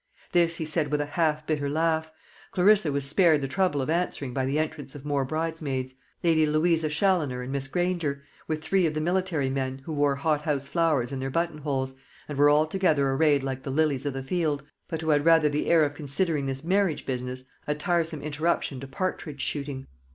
This he said with a half bitter laugh. Clarissa was spared the trouble of answering by the entrance of more bridesmaids Lady Louisa Challoner and Miss Granger with three of the military men, who wore hothouse flowers in their buttonholes, and were altogether arrayed like the lilies of the field, but who had rather the air of considering this marriage business a tiresome interruption to partridge shooting.